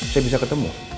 saya bisa ketemu